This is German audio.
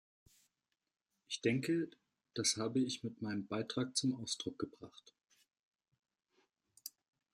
Ich denke, das habe ich mit meinem Beitrag zum Ausdruck gebracht.